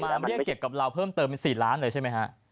มาเรียกเก็บกับเราเพิ่มเติมเป็น๔ล้านเลยใช่ไหมฮะ